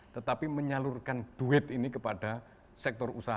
tetapi menyalurkan duit ini kepada sektor usaha